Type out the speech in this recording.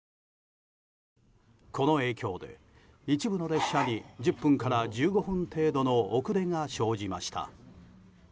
この影響で一部の列車に１０分から１５分程度の遅れが生じました。